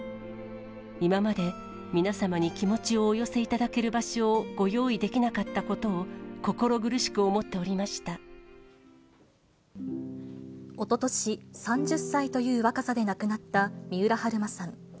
今まで、皆様に気持ちをお寄せいただける場所をご用意できなかったことをおととし、３０歳という若さで亡くなった三浦春馬さん。